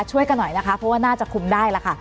ช่วยกันหน่อยนะคะเพราะว่าน่าจะคุมได้แล้วค่ะ